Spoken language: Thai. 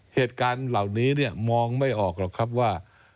เหตุการณ์เหล่านี้เนี่ยมองไม่ออกหรอกครับว่า